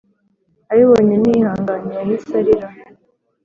abibonye ntiyihanganye yahise arira